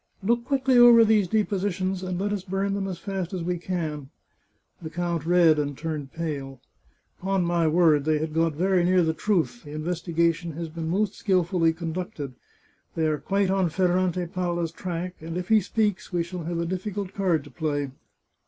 " Look quickly over these depositions, and let us burn them as fast as we can." The count read and turned pale. " Upon my word, they had got very near the truth. The investigation has been most skilfully conducted. They are quite on Ferrante Palla's track, and if he speaks, we shall have a difficult card to play."